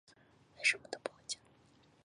为什么都不回家？